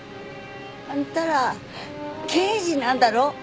あんたら刑事なんだろ？